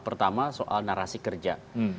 pertama soal narasi kerja